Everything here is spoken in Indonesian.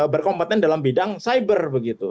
berkompeten dalam bidang cyber begitu